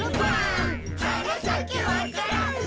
「はなさけわか蘭」